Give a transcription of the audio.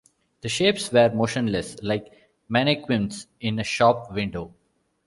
The shapes were motionless like mannequins in a shop window.